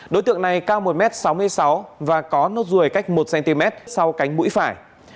đối tượng này cao một m sáu mươi sáu và có nốt ruồi cách một cm sau cánh mũi phải